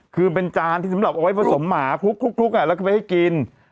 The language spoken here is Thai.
คือเป็นจานที่สำหรับเอาไว้ผสมหมาคลุกแล้วก็ไปให้กิน